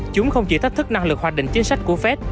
chúng không chỉ thách thức năng lực hoạch định chính sách của fed